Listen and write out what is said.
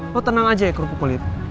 lo tenang aja ya kerupuk kulit